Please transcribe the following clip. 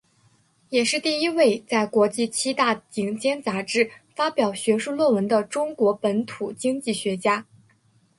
也是第一位在国际七大顶尖杂志发表学术论文的中国本土经济学家。